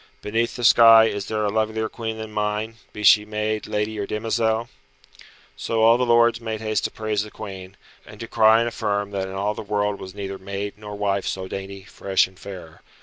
Beneath the sky is there a lovelier Queen than mine, be she maid, lady or demoiselle?" So all the lords made haste to praise the Queen, and to cry and affirm that in all the world was neither maid nor wife so dainty, fresh and fair.